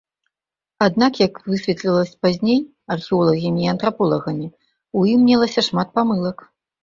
Аднак, як высветлілася пазней археолагамі і антраполагамі, у ім мелася шмат памылак.